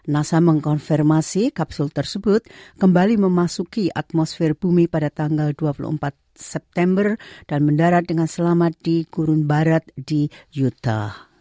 nasa mengkonfirmasi kapsul tersebut kembali memasuki atmosfer bumi pada tanggal dua puluh empat september dan mendarat dengan selamat di gurun barat di yuta